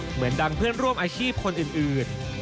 เหมือนดังเพื่อนร่วมอาชีพคนอื่น